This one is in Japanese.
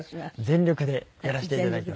全力でやらせて頂きます。